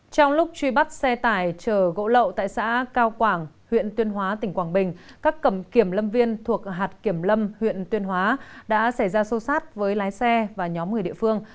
trong lúc truy bắt xe tải chở gỗ lậu tại xã cao quảng huyện tuyên hóa tỉnh quảng bình các cầm kiểm lâm viên thuộc hạt kiểm lâm huyện tuyên hóa đã xảy ra sâu sát với lái xe và nhóm người địa phương